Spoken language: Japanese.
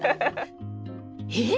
えっ！